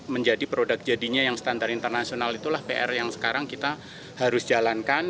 menjadi produk jadinya yang standar internasional itulah pr yang sekarang kita harus jalankan